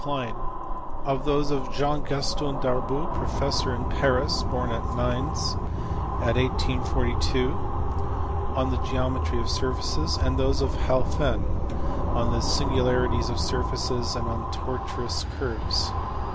Klein); of those of Jean Gaston Darboux, professor in Paris, born at Mines in 1842, on the geometry of surfaces ; and of those of Halphen (see pp. 469, 482) on the singularities of surfaces and on tortuous curves.